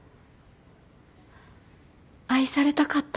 愛されたかったんです。